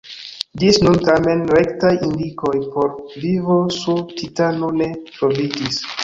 Ĝis nun, tamen, rektaj indikoj por vivo sur Titano ne troviĝis.